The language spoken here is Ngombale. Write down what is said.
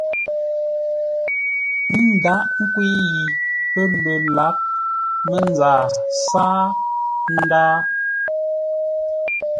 Ndághʼ nkwə̂i yi pə́ lə lǎghʼ mənzaa sáa, ə́ ndáa.